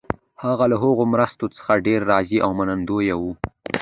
هغه له هغو مرستو څخه ډېر راضي او منندوی وو.